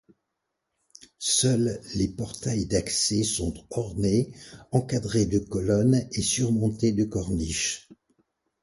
Seuls les portails d'accès sont ornés, encadrés de colonnes, et surmontés de corniches.